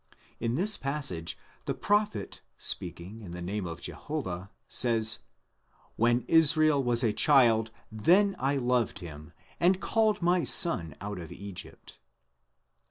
In this passage the pro phet, speaking in the name of Jehovah, says: When Israel was a child, then £ loved him, and called my son out of Egypt.